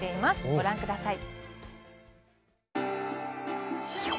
ご覧ください。